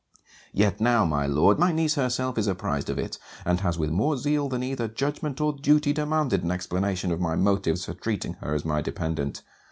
_ Yet now, my Lord, my niece herself is apprized of it; and has with more zeal than either judgment or duty demanded an explanation of my motives for treating her as my dependent.